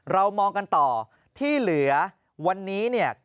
เรามองกันต่อที่เหลือวันนี้เนี่ย